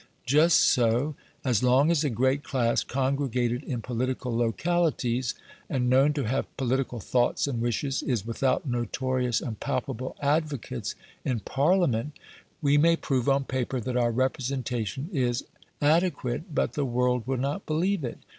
Just so, as long as a great class, congregated in political localities, and known to have political thoughts and wishes, is without notorious and palpable advocates in Parliament, we may prove on paper that our representation is adequate, but the world will not believe it.